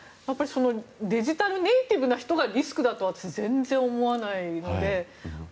デジタルネイティブな人がリスクだとは私は全然思わないので。